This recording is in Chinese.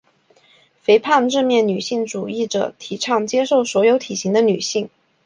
肥胖正面女性主义者提倡接受所有体型的女性。